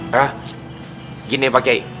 hah gini pak ya i